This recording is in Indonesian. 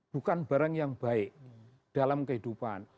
bukan barang yang baik dalam kehidupan